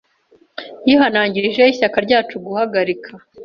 yihanangirije ishyaka ryacu guhagarika.